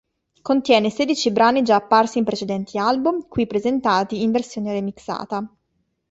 Contiene sedici brani già apparsi in precedenti album, qui presentati in versione remixata.